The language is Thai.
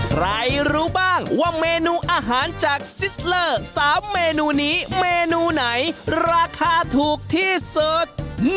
รู้บ้างว่าเมนูอาหารจากซิสเลอร์๓เมนูนี้เมนูไหนราคาถูกที่สุด